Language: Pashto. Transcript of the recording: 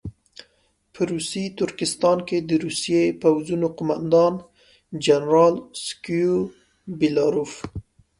په روسي ترکستان کې د روسي پوځونو قوماندان جنرال سکوبیلروف.